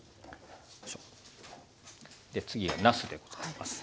で次はなすでございます。